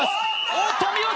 おっとお見事！